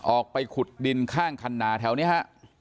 ออกไปขุดดินข้างคันนาแถวนี้ฮะ